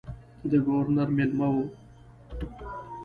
د ګورنر مېلمه وم.